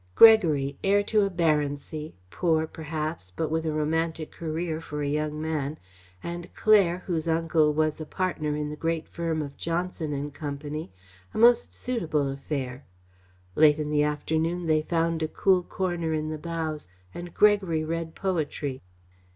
Gregory, heir to a baronetcy, poor, perhaps, but with a romantic career for a young man, and Claire, whose uncle was a partner in the great firm of Johnson and Company a most suitable affair. Late in the afternoon they found a cool corner in the bows, and Gregory read poetry.